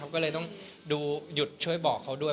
ก็เลยต้องดูหยุดช่วยบอกเขาด้วย